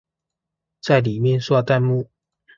在裡面刷彈幕